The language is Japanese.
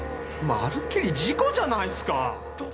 まるっきり事故じゃないすか！